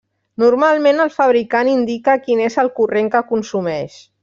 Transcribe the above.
Normalment el fabricant indica quin és el corrent que consumeix.